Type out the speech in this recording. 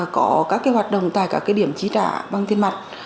có các hoạt động tại các điểm chi trả bằng tiền mặt